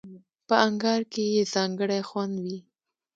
په انگار کې یې ځانګړی خوند وي.